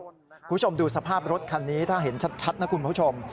คุณผู้ชมดูสภาพรถคันนี้ถ้าเห็นชัดนะคุณผู้ชม